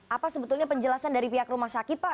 apa sebetulnya penjelasan dari pihak rumah sakit pak